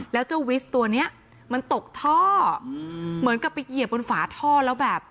แล้วเจ้าวิสตัวเนี้ยมันตกท่อเหมือนกับไปเหยียบบนฝาท่อแล้วแบบ